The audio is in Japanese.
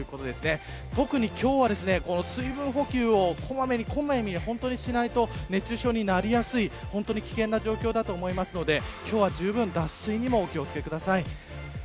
特に今日は水分補給を小まめにしないと熱中症になりやすい危険な状況だと思いますので今日は脱水にもお気を付けください。